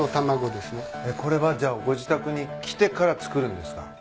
これはじゃあご自宅に来てから作るんですか？